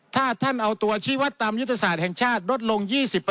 ถ้าท่านเอาตัวชีวัตรตามยุทธศาสตร์แห่งชาติลดลง๒๐